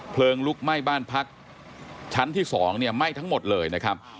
ลุกไหม้บ้านพักชั้นที่๒เนี่ยไหม้ทั้งหมดเลยนะครับ